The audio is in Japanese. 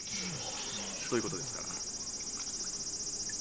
そういうことですから。